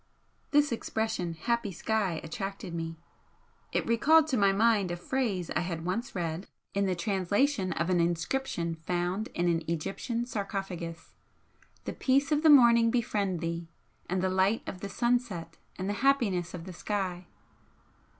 This expression 'happy sky' attracted me. It recalled to my mind a phrase I had once read in the translation of an inscription found in an Egyptian sarcophagus "The peace of the morning befriend thee, and the light of the sunset and the happiness of the sky."